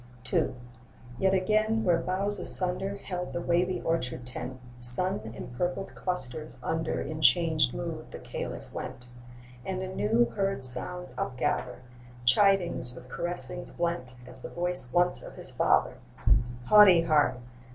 II. Yet again, where boughs asunder Held the wavy orchard tent, Sun empurpled clusters under In changed mood the Caliph went; And anew heard sounds upgather, (Chidings with caressings blent, As the voice once of his father): 'Haughty heart!